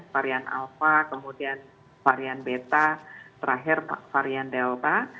varian alpha kemudian varian beta terakhir varian delta